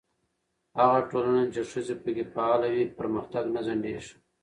هغه ټولنه چې ښځې پکې فعاله وي، پرمختګ نه ځنډېږي.